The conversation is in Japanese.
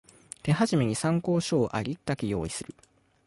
手始めに参考書をありったけ用意する